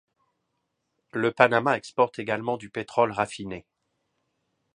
Le Panama exporte également du pétrole raffiné.